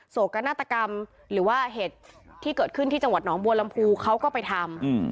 โศกนาฏกรรมหรือว่าเหตุที่เกิดขึ้นที่จังหวัดหนองบัวลำพูเขาก็ไปทำ